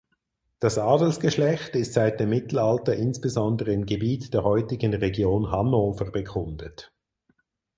Das Adelsgeschlecht ist seit dem Mittelalter insbesondere im Gebiet der heutigen Region Hannover bekundet.